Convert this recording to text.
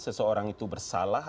seseorang itu bersalah